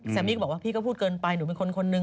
มี่ก็บอกว่าพี่ก็พูดเกินไปหนูเป็นคนคนนึง